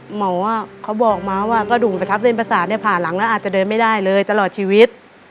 หมอเขาบอกมาว่ากระดูกประทับเส้นประสาทผ่าหลังแล้วอาจจะเดินไม่ได้เลยตลอดชีวิต